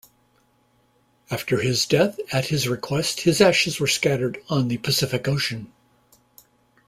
After his death, at his request, his ashes were scattered on the Pacific Ocean.